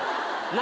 何？